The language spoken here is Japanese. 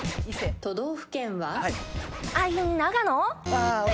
都道府県は？